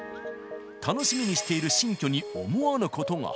楽しみにしている新居に思わぬことが。